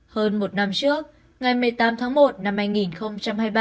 hơn một năm trước ngày một mươi tám tháng một năm hai nghìn hai mươi ba